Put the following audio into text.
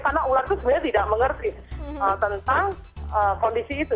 karena ular itu sebenarnya tidak mengerti tentang kondisi itu